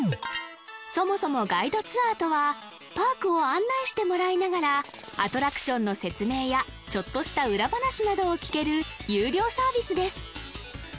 そもそもガイドツアーとはパークを案内してもらいながらアトラクションの説明やちょっとした裏話などを聞ける有料サービスです